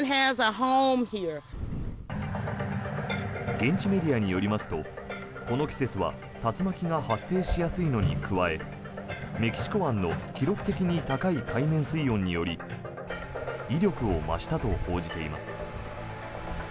現地メディアによりますとこの季節は竜巻が発生しやすいのに加えメキシコ湾の記録的に高い海面水温により威力を増したと報じています。